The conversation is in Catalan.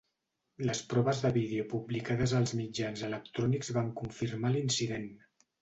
Les proves de vídeo publicades als mitjans electrònics van confirmar l'incident.